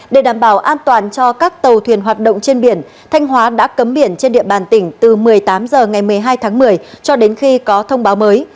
để đảm bảo an toàn cho các tàu thuyền hoạt động trên biển thanh hóa đã cấm biển trên địa bàn tỉnh từ một mươi tám h ngày một mươi hai tháng một mươi cho đến khi có thông báo mới